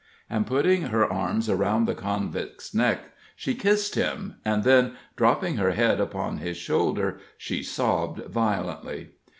And putting her arms around the convict's neck, she kissed him, and then, dropping her head upon his shoulder, she sobbed violently.